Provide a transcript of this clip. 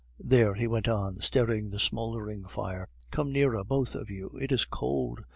"There," he went on, stirring the smouldering fire, "come nearer, both of you. It is cold.